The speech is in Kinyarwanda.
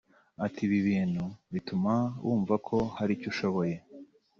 Ati” Ibi ni ibintu bituma wumvako hari icyo ushoboye